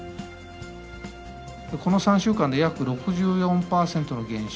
この３週間で約６４％の減少。